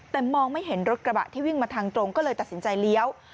แต่มองไม่เห็นรถกระบะที่วิ่งมาทางตรงก็เลยตัดสินใจเลี้ยว